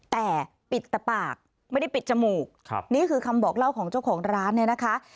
แต่ปิดแต่ปากไม่ได้ปิดจมูกนี่คือคำบอกเล่าของเจ้าของร้านเนี่ยนะคะ